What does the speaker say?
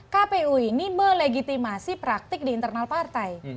kpu ini melegitimasi praktik di internal partai